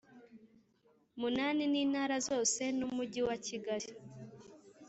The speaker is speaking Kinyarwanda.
munani n Intara zose n Umujyi wa Kigali